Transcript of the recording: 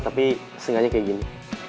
tapi sengannya kayak gini